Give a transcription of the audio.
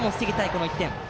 この１点。